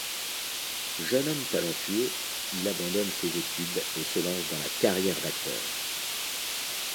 Jeune homme talentueux, il abandonne ses études et se lance dans la carrière d’acteur.